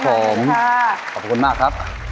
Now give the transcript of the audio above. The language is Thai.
ขอบคุณมากครับ